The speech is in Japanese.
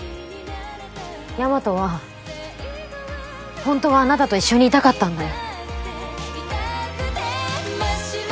大和はホントはあなたと一緒にいたかったんだよ